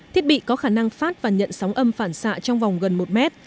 thiết bị có khả năng phát và nhận sóng âm phản xạ trong vòng gần một mét